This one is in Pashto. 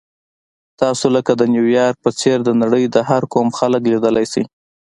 تاسو لکه د نیویارک په څېر د نړۍ د هر قوم خلک لیدلی شئ.